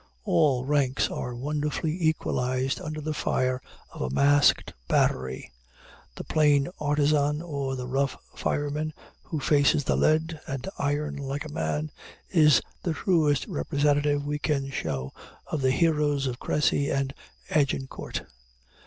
All ranks are wonderfully equalized under the fire of a masked battery. The plain artisan or the rough fireman, who faces the lead and iron like a man, is the truest representative we can show of the heroes of Crécy and Agincourt.